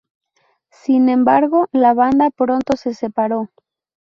Sin embargo, la banda pronto se separó.